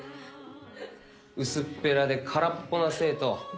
薄っぺらで空っぽな生徒。